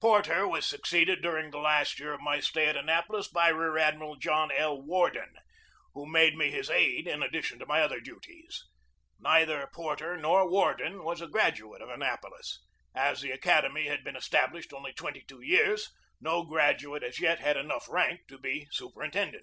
Porter was succeeded during the last year of my stay at Annapolis by Rear Admiral John L. Worden, who made me his aide in addition to my other duties. Neither Porter nor Worden was a graduate of An napolis. As the Academy had been established only twenty two years, no graduate as yet had enough rank to be superintendent.